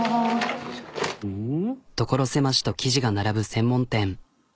所狭しと生地が並ぶ専門店。